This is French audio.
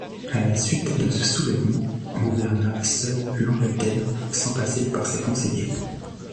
À la suite de ce soulèvement, gouverna seul l'Angleterre sans passer par ses conseillers.